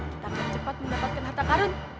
kita akan cepat mendapatkan harta karun